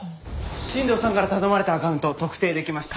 新藤さんから頼まれたアカウント特定できました。